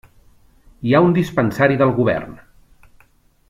Hi ha un dispensari del govern.